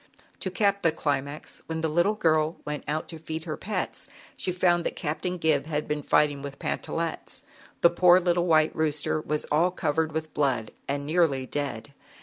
To cap the climax, when the little girl went out to feed her pets, she found that Captain Gib had been fighting Pantallettes. The poor little white rooster was all covered with blood ai nearly dead.